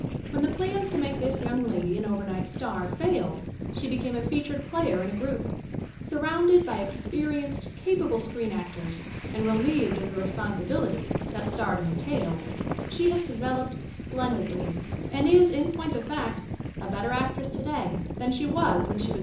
When the plans to make this young lady an over night star failed she became a featured player in a group. Sur rounded by experienced, capable screen actors and relieved of the responsibility that stardom entails she has developed splendidly and is, in point of fact, a better actress today than she was when she was.